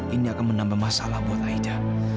ini akan menambah masalah buat aida